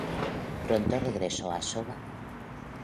Pronto regresó a Soba.